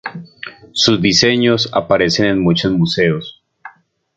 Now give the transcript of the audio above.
Sus diseños aparecen en muchos museos.